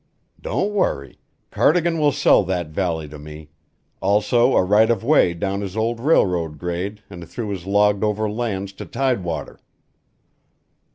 "Don't worry. Cardigan will sell that valley to me also a right of way down his old railroad grade and through his logged over lands to tidewater."